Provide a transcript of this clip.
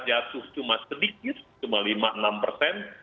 jatuh cuma sedikit cuma lima puluh enam persen